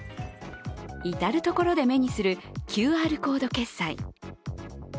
至る所で目にするＱＲコード決済。